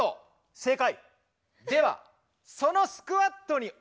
正解。